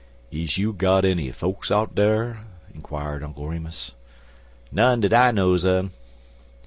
"Is you got enny folks out dar?" inquired Uncle Remus. "None dat I knows un."